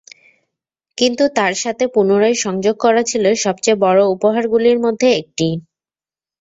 কিন্তু তার সাথে পুনরায় সংযোগ করা ছিল সবচেয়ে বড় উপহারগুলির মধ্যে একটি।